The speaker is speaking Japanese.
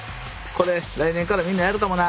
これ来年からみんなやるかもなあ。